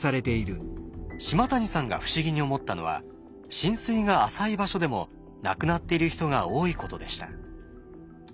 島谷さんが不思議に思ったのは浸水が浅い場所でも亡くなっている人が多いことでした。